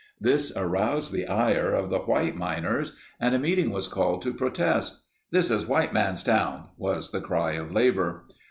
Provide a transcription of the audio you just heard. This aroused the ire of the white miners and a meeting was called to protest. "This is a white man's town," was the cry of labor.